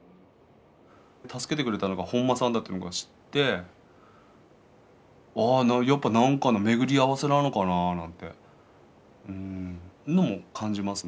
助けてくれたのが本間さんだと知ってやっぱ何かの巡り合わせなのかななんていうのも感じますね。